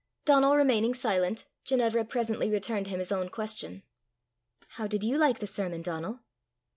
Donal remaining silent, Ginevra presently returned him his own question: "How did you like the sermon, Donal?"